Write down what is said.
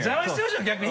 逆に？